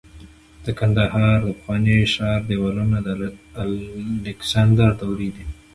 د کندهار د پخواني ښار دیوالونه د الکسندر دورې دي